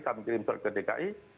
kami kirim ke dki